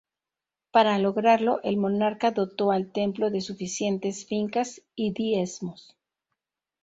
Para lograrlo el monarca dotó al templo de suficientes fincas y diezmos.